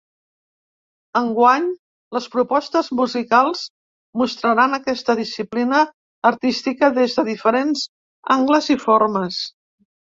Enguany, les propostes musicals mostraran aquesta disciplina artística des de diferents angles i formes.